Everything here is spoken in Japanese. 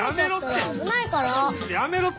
やめろって！